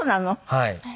はい。